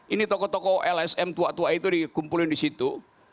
ini tokoh tokoh lsm tua tua itu dikumpulin disitu